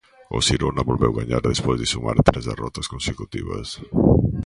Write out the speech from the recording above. O Xirona volveu gañar despois de sumar tres derrotas consecutivas.